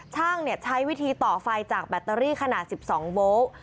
ช่างใช้วิธีต่อไฟจากแบตเตอรี่ขนาด๑๒โวลต์